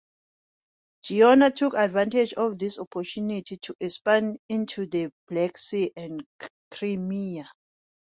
Genoa took advantage of this opportunity to expand into the Black Sea and Crimea.